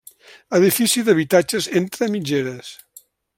Edifici d'habitatges entre mitgeres.